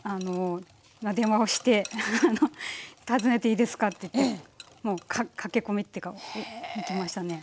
電話をして「訪ねていいですか？」って言ってもう駆け込みっていうか行きましたね。